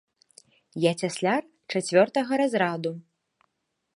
Я цясляр чацвёртага разраду.